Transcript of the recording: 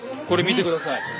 これ見てください。